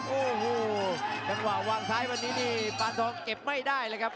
โอ้โหจังหวะวางซ้ายวันนี้นี่ปานทองเก็บไม่ได้เลยครับ